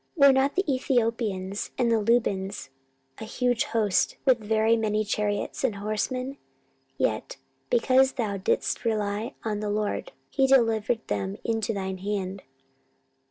14:016:008 Were not the Ethiopians and the Lubims a huge host, with very many chariots and horsemen? yet, because thou didst rely on the LORD, he delivered them into thine hand.